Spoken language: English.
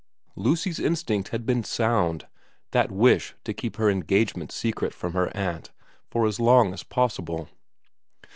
Lucy's instinct had been sound, that wish to keep her engagement secret from her aunt for as 98 x VERA 99 long as possible.